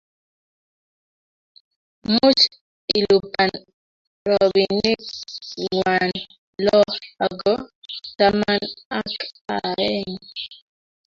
Muuch ilupan robinik angwan, loo ago taman ak aeng